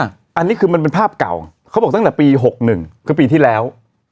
อันนี้คือมันเป็นภาพเก่าเขาบอกตั้งแต่ปี๖๑คือปีที่แล้ว